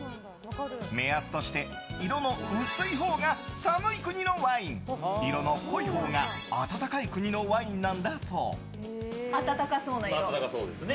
目安として色の薄いほうが寒い国のワイン色の濃いほうが暖かい国のワインなんだそう。